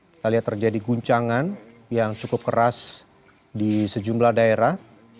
kita lihat terjadi guncangan yang cukup keras di sejumlah daerah